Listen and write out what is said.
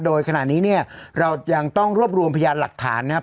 โดยขณะนี้เนี่ยเรายังต้องรวบรวมพยานหลักฐานนะครับ